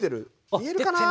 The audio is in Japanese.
見えるかな。